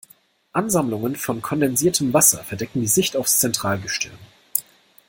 Ansammlungen von kondensiertem Wasser verdecken die Sicht aufs Zentralgestirn.